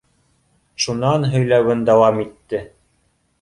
Шунан һөйләүен дауам итте.